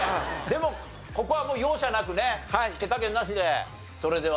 でもここはもう容赦なくね手加減なしで。